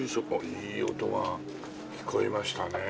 いい音が聞こえましたねえ。